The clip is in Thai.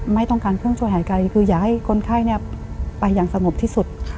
ไม่ต้องการเครื่องช่วยหายใจคืออย่าให้คนไข้ไปอย่างสงบที่สุด